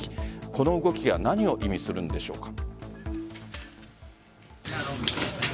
この動きが何を意味するんでしょうか。